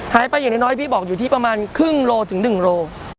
หายไปอย่างน้อยน้อยพี่บอกอยู่ที่ประมาณครึ่งโลถึงหนึ่งโล